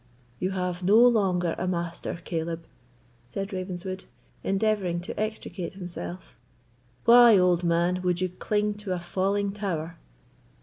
"You have no longer a master, Caleb," said Ravenswood, endeavouring to extricate himself; "why, old man, would you cling to a falling tower?"